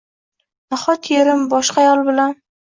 Nahotki erim boshqa ayol bilan